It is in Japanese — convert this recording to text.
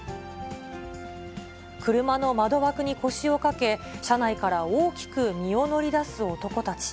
車の窓枠に腰を掛け、車内から大きく身を乗り出す男たち。